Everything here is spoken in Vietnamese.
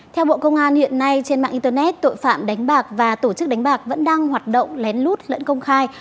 theo bộ công an hiện nay trên mạng internet tội phạm đánh bạc và tổ chức đánh bạc vẫn đang hoạt động lén lút lẫn công khai